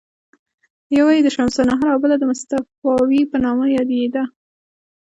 یوه یې د شمس النهار او بله د مصطفاوي په نامه یادېده.